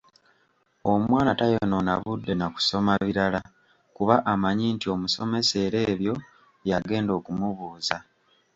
Omwana tayonoona budde na kusoma birala kuba amanyi nti omusomesa era ebyo by’agenda okumubuuza.